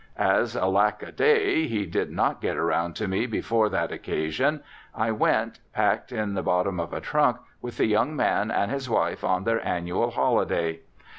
As, alack a day! he did not get around to me before that occasion, I went, packed in the bottom of a trunk, with the young man and his wife on their annual holiday.